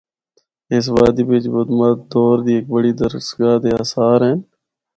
اس وادی بچ بدمت دور دی ہک بڑی درسگاہ دے آثار ہن۔